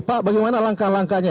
pak bagaimana langkah langkahnya